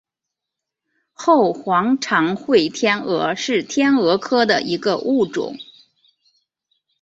后黄长喙天蛾是天蛾科的一个物种。